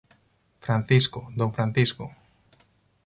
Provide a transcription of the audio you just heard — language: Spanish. Francisco, D. Francisco!